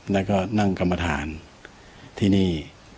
แล้วก็นั่งกรรมฐานที่นี่